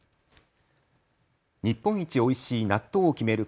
日本一おいしい納豆を決める